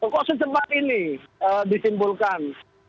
kok secepat ini disimpulkan